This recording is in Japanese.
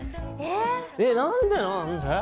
えっ何でなえっ？